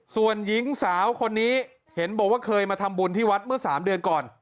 ส่วนหญิงสาวคนนี้เห็นบอกว่าเคยมาทำบุญที่วัดเมื่อ๓เดือนก่อน